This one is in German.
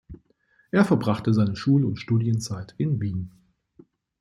Er verbrachte seine Schul- und Studienzeit in Wien.